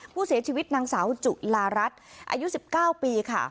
ผู้เสียชีวิตนางสาวจุลารัสอายุ๑๙ปีค่ะ